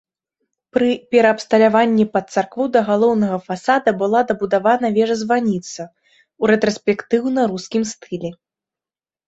Пры пераабсталяванні пад царкву да галоўнага фасада была дабудавана вежа-званіца ў рэтраспектыўна-рускім стылі.